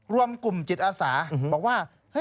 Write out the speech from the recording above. รวมกลุ่มจิตอาสาบอกว่า